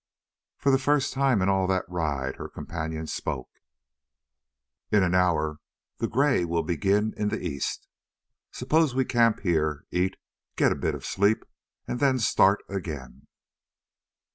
For the first time in all that ride her companion spoke: "In an hour the gray will begin in the east. Suppose we camp here, eat, get a bit of sleep, and then start again?"